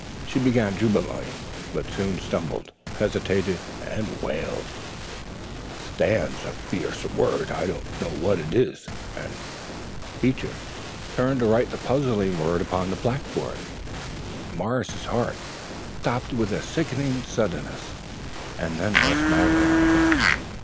She began jubilantly, but soon stumbled, hesitated, and wailed: "Stands a fierce word. I don't know what it is," and Teacher turned to write the puzzling word upon the blackboard. Morris's heart stopped with a sickening suddenness and then rushed madly on again.